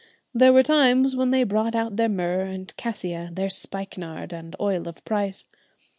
There were times when they brought out their myrrh and cassia, their spikenard and oil of price.